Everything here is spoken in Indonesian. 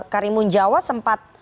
karimun jawa sempat